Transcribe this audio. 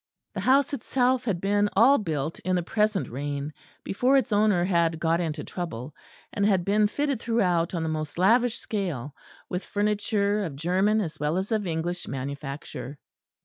The house itself had been all built in the present reign, before its owner had got into trouble; and had been fitted throughout on the most lavish scale, with furniture of German as well as of English manufacture.